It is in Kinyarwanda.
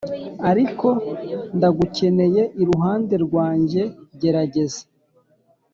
ariko ndagukeneye 'iruhande rwanjyegerageza